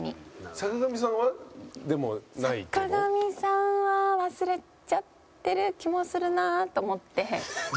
坂上さんは忘れちゃってる気もするなと思ってとっさの時に。